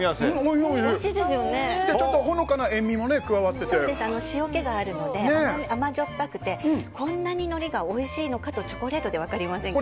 ちょっとほのかな塩気があるので甘じょっぱくてこんなにのりがおいしいのかとチョコレートで分かりませんか。